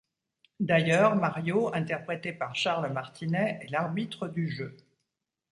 D'ailleurs, Mario, interprété par Charles Martinet, est l'arbitre du jeu.